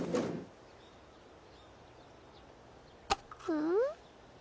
うん？